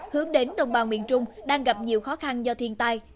hướng đến đồng bào miền trung đang gặp nhiều khó khăn do thiên tai